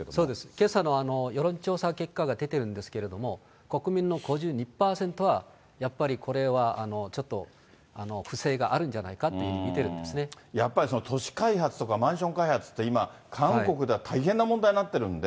けさの世論調査結果が出てるんですけれども、国民の５２％は、やっぱりこれはちょっと不正があるんじゃないかっていうふうに見やっぱり都市開発とかマンション開発って今、韓国では大変な問題になっているんで。